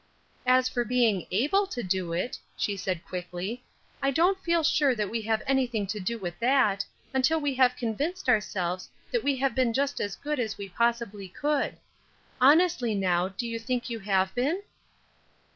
"As for being able to do it," she said, quickly, "I don't feel sure that we have anything to do with that, until we have convinced ourselves that we have been just as good as we possibly could. Honestly, now, do you think you have been?"